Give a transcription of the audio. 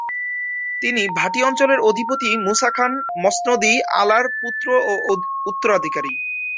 তিনি ভাটি অঞ্চলের অধিপতি মুসা খান মসনদ-ই-আলার পুত্র ও উত্তরাধিকারী।